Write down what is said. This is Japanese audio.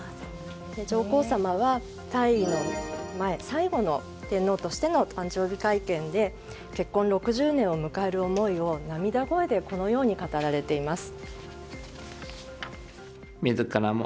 上皇さまは退位の前最後の天皇としての誕生日会見で結婚６０年を迎える思いを涙声でこのように語られています。